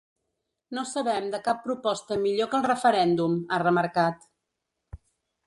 No sabem de cap proposta millor que el referèndum, ha remarcat.